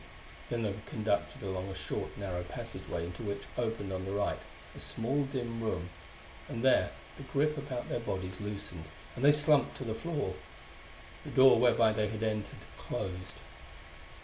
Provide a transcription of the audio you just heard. Then they were conducted along a short, narrow passageway into which opened, on the right, a small dim room; and there the grip about their bodies loosened and they slumped to the floor. The door whereby they had entered, closed.